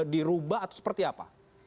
dirubah atau seperti apa